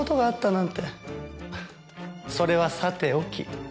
それはさておき